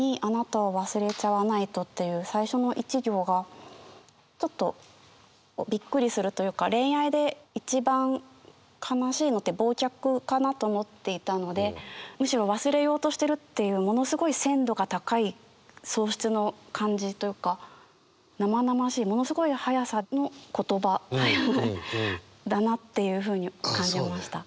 っていう最初の一行がちょっとびっくりするというか恋愛で一番悲しいのって忘却かなと思っていたのでむしろ忘れようとしてるっていうものすごい鮮度が高い喪失の感じというか生々しいものすごい速さの言葉だなっていうふうに感じました。